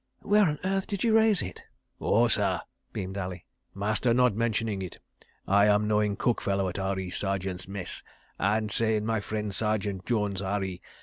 "Where on earth did you raise it?" "Oh, sah!" beamed Ali. "Master not mentioning it. I am knowing cook fellow at R.E. Sergeants' Mess, and saying my frien' Sergeant Jones, R.E.